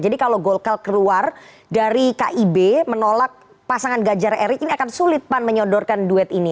jadi kalau golkar keluar dari kib menolak pasangan ganjar erik ini akan sulit pan menyodorkan duet ini